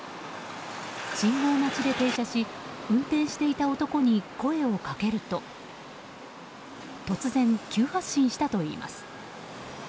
信号待ちで停車し運転していた男に声をかけると突然、急発進したといいます。